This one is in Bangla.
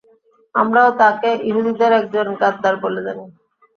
আমরাও তাকে ইহুদীদের একজন গাদ্দার বলে জানি।